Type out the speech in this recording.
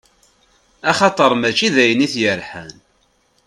Axaṭer mačči dayen i t-yerḥan.